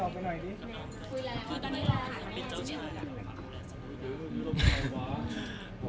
คือตอนนี้เราหาคุณเป็นเจ้าชายหรือเปล่า